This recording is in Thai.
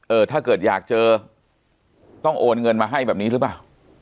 ถ้าเกิดอยากเจอต้องโอนเงินมาให้แบบนี้หรือเปล่า